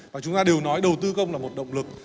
và chúng ta đều nói đầu tư công là một động lực